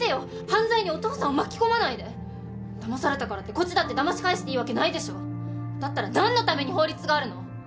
犯罪にお父さんを巻き込まないでだまされたからってこっちだってだまし返していいわけないでしょだったら何のために法律があるの？